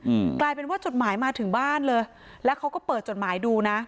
อืมกลายเป็นว่าจดหมายมาถึงบ้านเลยแล้วเขาก็เปิดจดหมายดูนะ